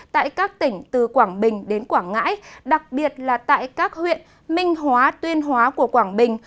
tại các tỉnh từ quảng bình đến quảng ngãi đặc biệt là tại các huyện minh hóa tuyên hóa của quảng bình